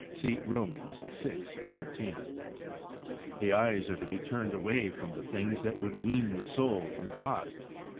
(See Rom. vi. 13.) The eyes are to be turned away from the things that would wean the soul from God.